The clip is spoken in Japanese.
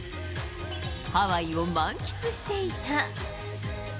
ハワイを満喫していた。